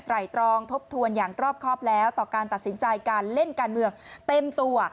ตรองทบทวนอย่างรอบครอบแล้วต่อการตัดสินใจการเล่นการเมืองเต็มตัว